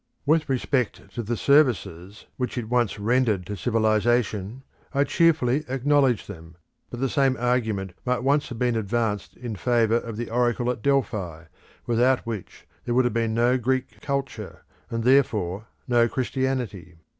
With respect to the services which it once rendered to civilisation, I cheerfully acknowledge them, but the same argument might once have been advanced in favour of the oracle at Delphi, without which there would have been no Greek culture, and therefore no Christianity.